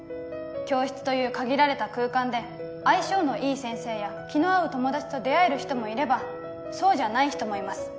教室という限られた空間で相性のいい先生や気の合う友達と出会える人もいればそうじゃない人もいます